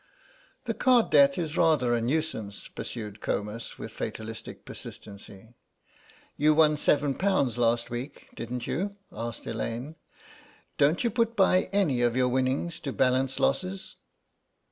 "The card debt is rather a nuisance," pursued Comus, with fatalistic persistency. "You won seven pounds last week, didn't you?" asked Elaine; "don't you put by any of your winnings to balance losses?"